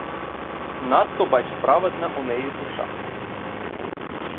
Надто, бач, праведна у неї душа.